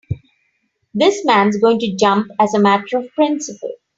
This man's going to jump as a matter of principle.